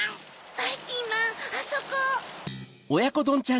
ばいきんまんあそこ！